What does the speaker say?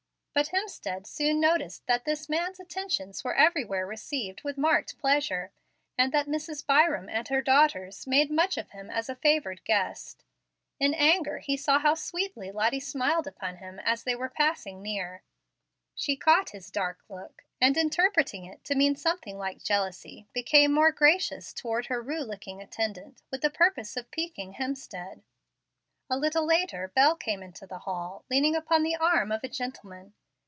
But Hemstead soon noticed that this man's attentions were everywhere received with marked pleasure, and that Mrs. Byram and her daughters made much of him as 8 favored guest. In anger he saw how sweetly Lottie smiled upon him as they were passing near. She caught his dark look, and, interpreting it to mean something like jealousy, became more gracious toward her roue looking attendant, with the purpose of piquing Hemstead. A little later Bel came into the hall, leaning upon the arm of a gentleman.